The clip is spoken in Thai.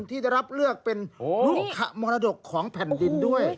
ที่ได้รับเลือกเป็นลูกขมรดกของแผ่นดินด้วย